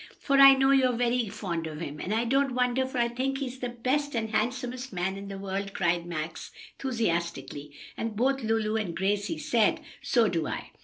for I know you're very fond of him. And I don't wonder, for I think he's the very best and handsomest man in the world," cried Max enthusiastically, and both Lulu and Gracie said, "So do I."